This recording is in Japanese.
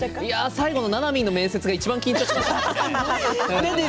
最後のななみの面接がいちばん緊張しましたね。